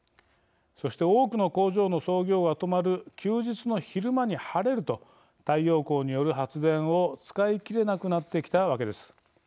そして多くの工場の操業が止まる休日の昼間に晴れると太陽光による発電を使い切れなくなってきたわけです。